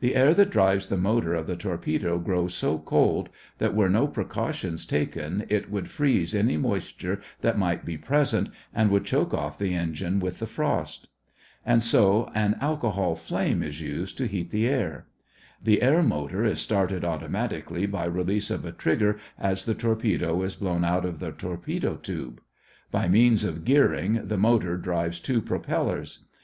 The air that drives the motor of the torpedo grows so cold that were no precautions taken it would freeze any moisture that might be present and would choke up the engine with the frost. And so an alcohol flame is used to heat the air. The air motor is started automatically by release of a trigger as the torpedo is blown out of the torpedo tube. By means of gearing, the motor drives two propellers.